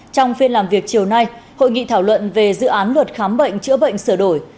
trong phiên làm việc chiều nay hội nghị thảo luận về dự án luật khám bệnh chữa bệnh sửa đổi